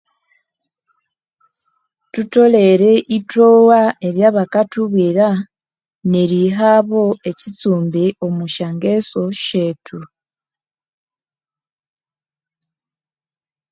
Thutholere ithowa ebya bakathubwira nerihabo ekyitsumbi omusyangeso syethu.